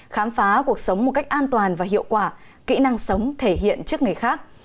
khám phá cuộc sống một cách an toàn và hiệu quả kỹ năng sống thể hiện trước người khác